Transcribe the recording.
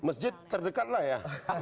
masjid terdekat lah ya